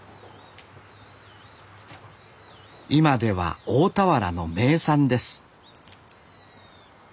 今では大田原の名産です